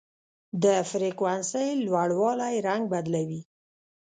د فریکونسۍ لوړوالی رنګ بدلوي.